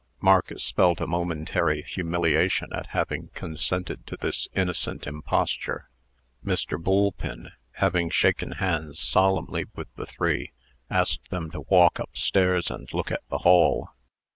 Marcus felt a momentary humiliation at having consented to this innocent imposture. Mr. Boolpin, having shaken hands solemnly with the three, asked them to walk up stairs and look at the hall.